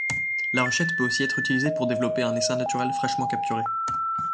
La ruchette peut aussi être utilisée pour développer un essaim naturel fraîchement capturé.